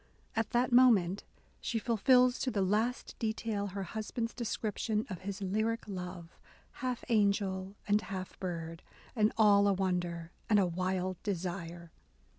At that moment she fulfils to the last detail her husband's description of his "lyric love, half angel and half bird, and all a wonder and a wild desire."